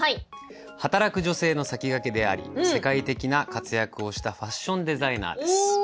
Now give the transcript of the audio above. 働く女性の先駆けであり世界的な活躍をしたファッションデザイナーです。